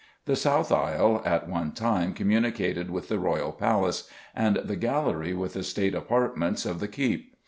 The south aisle at one time communicated with the royal palace, and the gallery with the State apartments of the keep.